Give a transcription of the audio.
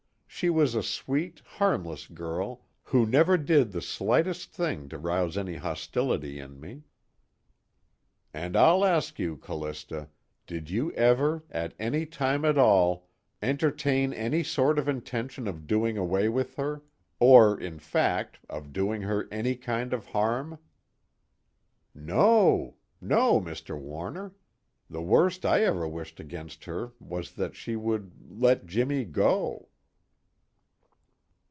She was a sweet, harmless girl who never did the slightest thing to rouse any hostility in me." "And I'll ask you, Callista: did you ever, at any time at all, entertain any sort of intention of doing away with her, or in fact of doing her any kind of harm?" "No. No, Mr. Warner. The worst I ever wished against her was that she would let Jimmy go."